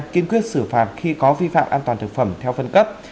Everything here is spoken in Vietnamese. kiên quyết xử phạt khi có vi phạm an toàn thực phẩm theo phân cấp